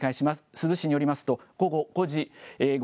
珠洲市によりますと、午後５時５